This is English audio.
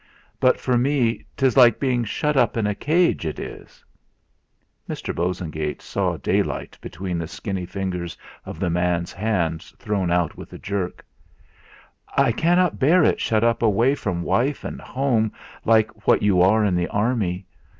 But for me 'tis like being shut up in a cage, it is!" Mr. Bosengate saw daylight between the skinny fingers of the man's hand thrown out with a jerk. "I cannot bear it shut up away from wife and home like what you are in the army.